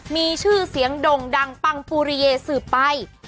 มีชื่อเสียงด่งดังปังปูริเยสืบไป